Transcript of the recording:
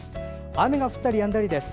雨が降ったりやんだりです。